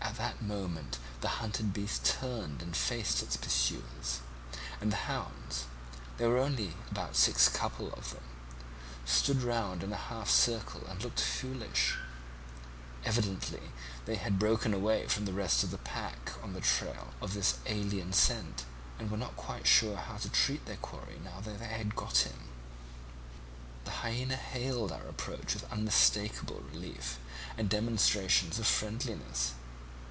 "At that moment the hunted beast turned and faced its pursuers, and the hounds (there were only about six couple of them) stood round in a half circle and looked foolish. Evidently they had broken away from the rest of the pack on the trail of this alien scent, and were not quite sure how to treat their quarry now they had got him. "The hyaena hailed our approach with unmistakable relief and demonstrations of friendliness.